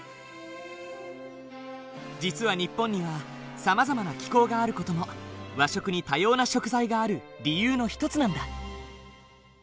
実は日本にはさまざまな気候がある事も和食に多様な食材がある理由の一つなんだ。